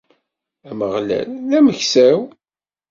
Ameɣlal, d ameksa-w.